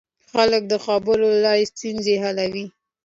خلک د خبرو له لارې ستونزې حلوي